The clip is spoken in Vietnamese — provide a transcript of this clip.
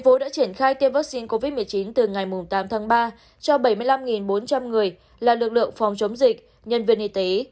thành phố đã triển khai tiêm vaccine covid một mươi chín từ ngày tám tháng ba cho bảy mươi năm bốn trăm linh người là lực lượng phòng chống dịch nhân viên y tế